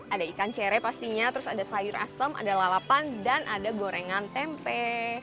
ada ikan cere pastinya terus ada sayur asem ada lalapan dan ada gorengan tempe